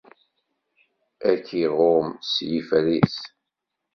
Ad k-iɣumm s yiferr-is.